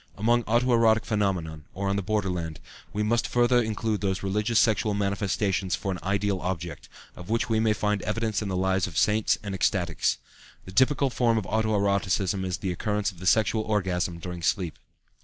Among auto erotic phenomena, or on the borderland, we must further include those religious sexual manifestations for an ideal object, of which we may find evidence in the lives of saints and ecstatics. The typical form of auto erotism is the occurrence of the sexual orgasm during sleep.